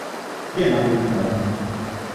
Žije na vodní hladině.